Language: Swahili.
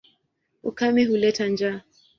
Ukame huleta njaa.